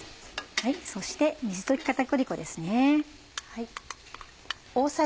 そして水溶き片栗粉ですね。